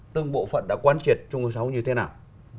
từng bộ phận đã quan triệt trung hướng sáu như thế nào